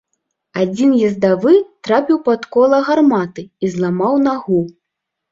Адзін ездавы трапіў пад кола гарматы і зламаў нагу.